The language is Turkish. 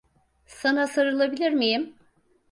Sana sarılabilir miyim?